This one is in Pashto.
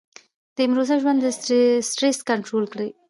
د امروزه ژوند سټرېس کنټرول کړي -